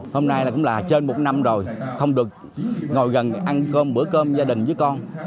hôm nay cũng là trên một năm rồi không được ngồi gần ăn bữa cơm gia đình với con